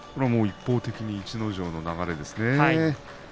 一方的に逸ノ城の流れです。